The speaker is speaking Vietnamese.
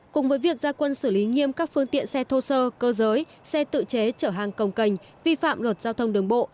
cùng với việc gia quân xử lý nghiêm các phương tiện xe thô sơ cơ giới xe tự chế chở hàng công cành vi phạm luật giao thông đường bộ